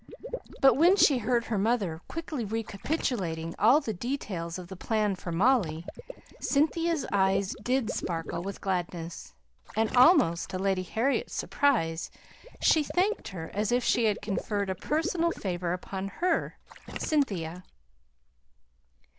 But when she heard her mother quickly recapitulating all the details of the plan for Molly, Cynthia's eyes did sparkle with gladness; and almost to Lady Harriet's surprise, she thanked her as if she had conferred a personal favour upon her, Cynthia.